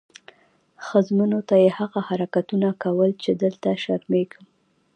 ښځمنو ته یې هغه حرکتونه کول چې دلته شرمېږم.